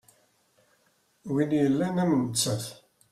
Win yellan am nettat.